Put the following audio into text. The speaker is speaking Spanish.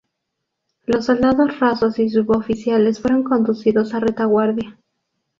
Los soldados rasos y suboficiales fueron conducidos a retaguardia.